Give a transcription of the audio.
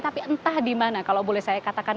tapi entah di mana kalau boleh saya katakan